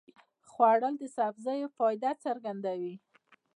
خوړل د سبزیو فایده څرګندوي